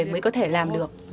mới có thể làm được